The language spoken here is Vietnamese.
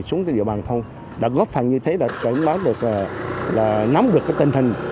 xuống dự bàn thôn đã góp phần như thế đã cảnh báo được là nắm được cái tình hình